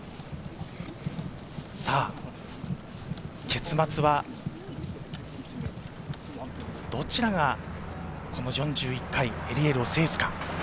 結末はどちらが４１回エリエールを制すか。